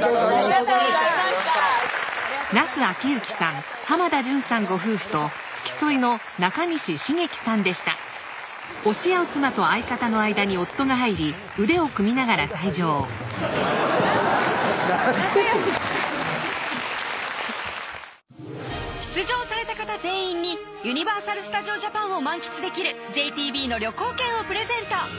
ありがとうございました間入るわ俺なんでやねん出場された方全員にユニバーサル・スタジオ・ジャパンを満喫できるＪＴＢの旅行券をプレゼント